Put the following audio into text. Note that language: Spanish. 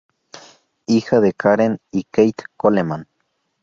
Hija de Karen y Keith Coleman.